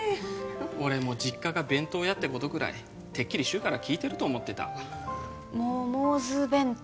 俺も実家が弁当屋ってことぐらいてっきり柊から聞いてると思ってた「モモズ弁当」